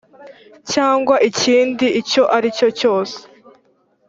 cyangwa ikindi icyo ari cyo cyose